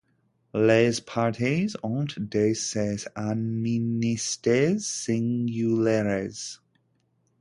Les partis ont de ces amnisties singulières.